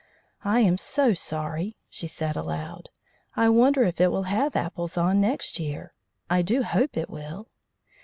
"I am so sorry!" she said aloud. "I wonder if it will have apples on next year? I do hope it will."